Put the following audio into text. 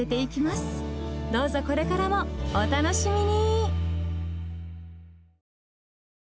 どうぞこれからもお楽しみに！